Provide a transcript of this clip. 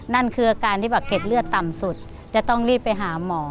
นั่นคืออาการที่แบบเกร็ดเลือดต่ำสุดจะต้องรีบไปหาหมอ